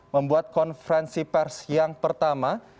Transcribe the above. membuat konferensi pers yang pertama